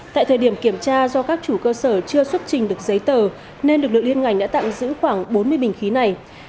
tại thời điểm kiểm tra do các chủ cơ sở chưa xuất trình được giấy tờ nên lực lượng liên ngành đã tạm giữ khoảng bốn mươi bình khí này